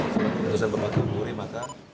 setelah pangkat polres maka